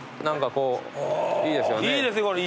何かこういいですよね。